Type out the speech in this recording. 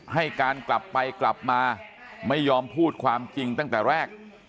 ให้การกลับไปกลับมาไม่ยอมพูดความจริงตั้งแต่แรก